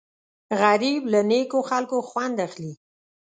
غریب له نیکو خلکو خوند اخلي